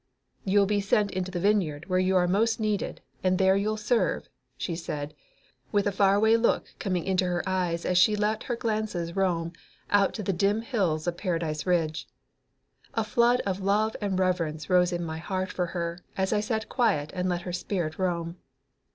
"You'll be sent into the vineyard where you are most needed, and there you'll serve," she said, with a far away look coming into her eyes as she let her glances roam out to the dim hills of Paradise Ridge. A flood of love and reverence rose in my heart for her as I sat quiet and let her spirit roam.